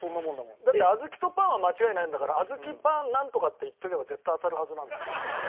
だって小豆とパンは間違いないんだから小豆パンなんとかって言っておけば絶対当たるはずなんだよ。